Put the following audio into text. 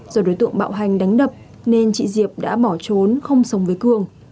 do đối tượng bạo hành đánh đập nên chị diệp đã bỏ trốn không sống với cương